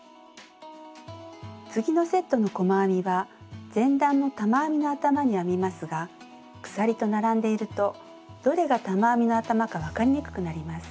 次のセットの細編みは前段の玉編みの頭に編みますが鎖と並んでいるとどれが玉編みの頭か分かりにくくなります。